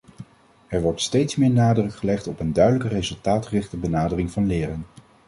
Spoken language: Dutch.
Er wordt steeds meer nadruk gelegd op een duidelijke, resultaatgerichte benadering van leren.